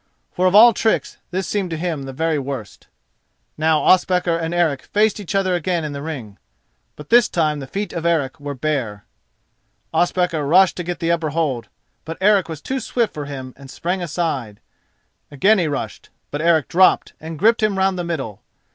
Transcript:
For of all tricks this seemed to him the very worst. Now Ospakar and Eric faced each other again in the ring, but this time the feet of Eric were bare. Ospakar rushed to get the upper hold, but Eric was too swift for him and sprang aside. Again he rushed, but Eric dropped and gripped him round the middle.